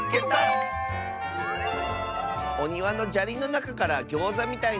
「おにわのじゃりのなかからギョーザみたいないしをはっけん！」。